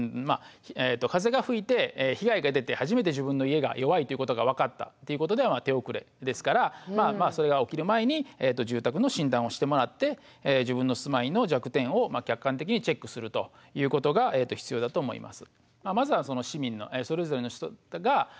風が吹いて被害が出て初めて自分の家が弱いということが分かったということでは手遅れですからそれが起きる前に住宅の診断をしてもらって自分の住まいの弱点を客観的にチェックするということが必要だと思います。